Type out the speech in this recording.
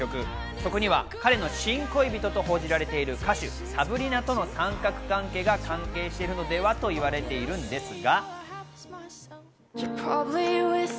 そこには彼の新恋人と報じられている歌手サブリナとの三角関係が関係してるのではと言われているんですが。